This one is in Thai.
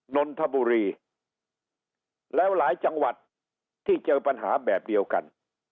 นนทบุรีแล้วหลายจังหวัดที่เจอปัญหาแบบเดียวกัน